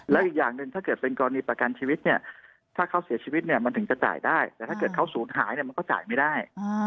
แล้วอีกอย่างหนึ่งถ้าเกิดเป็นกรณีประกันชีวิตเนี่ยถ้าเขาเสียชีวิตเนี่ยมันถึงจะจ่ายได้แต่ถ้าเกิดเขาศูนย์หายเนี่ยมันก็จ่ายไม่ได้